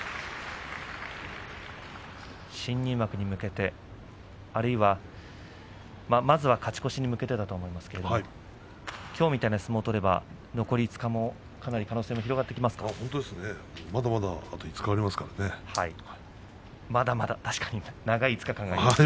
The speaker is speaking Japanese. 新入幕に向けて、あるいはまずは勝ち越しに向けてだと思いますがきょうのような相撲を取れば残り５日もかなり可能性が本当ですね。